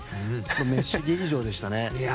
メッシ劇場でしたね。